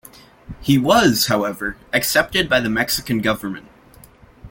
He was, however, accepted by the Mexican government.